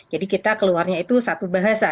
jadi kita keluarnya itu satu bahasa